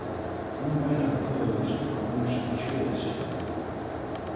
Non vai na portada do disco por como se fixo o deseño.